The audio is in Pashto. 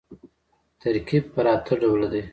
ترکیب پر اته ډوله دئ.